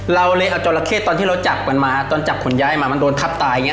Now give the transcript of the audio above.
เราเลยเอาจราเข้ตอนที่เราจับกันมาตอนจับขนย้ายมามันโดนทับตายอย่างนี้